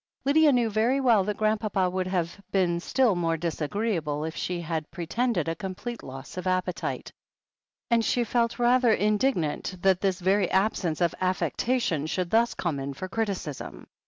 Lydia knew very well that Grandpapa would have been still more disagreeable if she had pretended a complete loss of appetite, and she felt rather indignant that this very absence of affectation should thus come in for criticism.